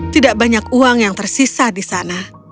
tidak banyak uang yang tersisa di sana